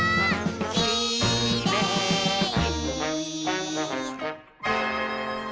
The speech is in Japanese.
「きれい」